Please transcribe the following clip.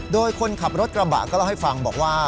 โดยคนขับรถกระบะก็เล่าให้ฟังบอกว่า